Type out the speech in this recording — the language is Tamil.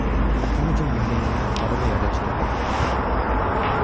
பூஜை இல்லேன்னா கதவை அடைச்சுக்கட்டும்.